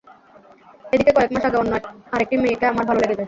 এদিকে কয়েক মাস আগে অন্য আরেকটি মেয়েকে আমার ভালো লেগে যায়।